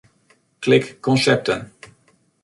Klik Konsepten.